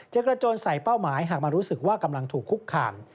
จะกระโจนใส่เป้าหมายหากมารู้สึกว่ากำลังถูกคุกคาม